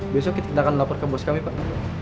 besok kita akan lapor ke bos kami pak